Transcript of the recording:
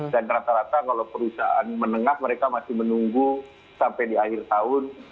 dan rata rata kalau perusahaan menengah mereka masih menunggu sampai di akhir tahun